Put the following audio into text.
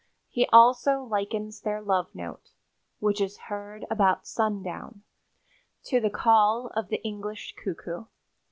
He also likens their love note, which is heard about sundown, to the call of the English cuckoo.